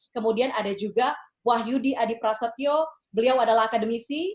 kemudian ada juga wahyudi adiprasetyo beliau adalah akademisi